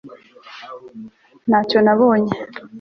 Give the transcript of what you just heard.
ntacyo nabonye